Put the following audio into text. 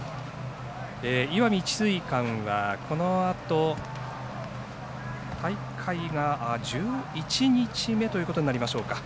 石見智翠館は、このあと大会が１１日目ということになりましょうか。